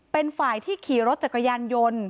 เป็นฝ่ายที่ขี่รถจักรยานยนต์